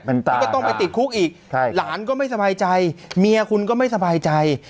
อันนี้ก็ต้องไปติดคุกอีกหลานก็ไม่สบายใจเมียคุณก็ไม่สบายใจ